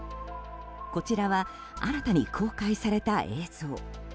こちらは新たに公開された映像。